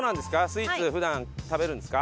スイーツ普段食べるんですか？